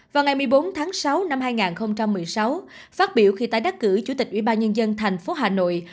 vào ngày một mươi bốn tháng sáu năm hai nghìn một mươi sáu phát biểu khi tái đắc cử chủ tịch ủy ba nhân dân thành phố hà nội